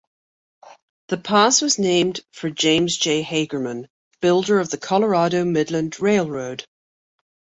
The pass was named for James J. Hagerman, builder of the Colorado Midland Railroad.